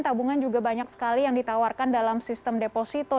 tabungan juga banyak sekali yang ditawarkan dalam sistem deposito